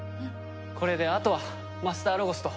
これであとはマスターロゴスと。